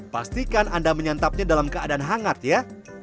pastikan anda menyantapnya dalam keadaan hangat ya